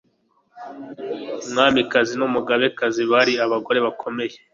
umwamikazi n'umugabekazi bari abagore bakomeye